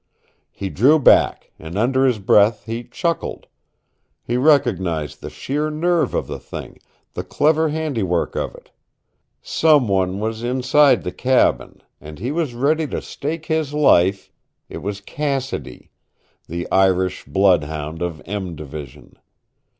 He drew back, and under his breath he chuckled. He recognized the sheer nerve of the thing, the clever handiwork of it. Someone was inside the cabin, and he was ready to stake his life it was Cassidy, the Irish bloodhound of "M" Division.